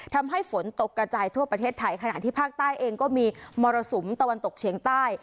ทำให้ฝนตกกระจายทั่วประเทศไทยขณะที่ภาคใต้เองก็มีมรสุมตะวันตกเฉียงใต้